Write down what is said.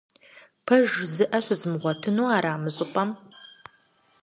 Пэж жызыӀэ щызмыгъуэтыну ара мы щӀыпӀэм?